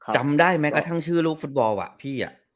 จำได้แม้กระทั่งชื่อลูกฟุตบอลอ่ะพี่